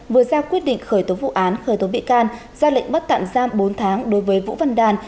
vừa ra quyết định khởi tố vụ án khởi tố bị can ra lệnh bắt tạm giam bốn tháng đối với vũ văn đàn